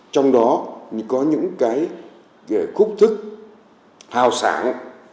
trong đó có những cái khúc thức hào sản